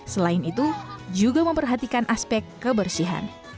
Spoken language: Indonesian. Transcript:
selain itu juga memperhatikan aspek kebersihan